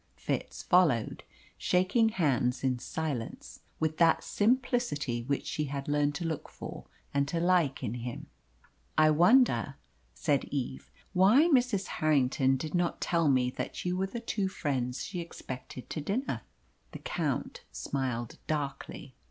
Fitz followed, shaking hands in silence, with that simplicity which she had learned to look for and to like in him. "I wonder," said Eve, "why Mrs. Harrington did not tell me that you were the two friends she expected to dinner?" The Count smiled darkly.